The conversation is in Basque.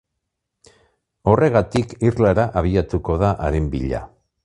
Horregatik, irlara abiatuko da, haren bila.